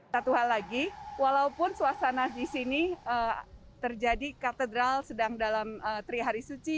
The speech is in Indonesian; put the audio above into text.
satu hal lagi walaupun suasana di sini terjadi katedral sedang dalam trihari suci